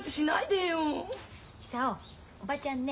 久男叔母ちゃんね